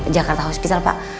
jakarta hospital pak